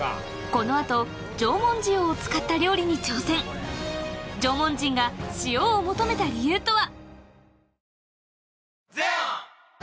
この後縄文塩を使った料理に挑戦縄文人が塩を求めた理由とは？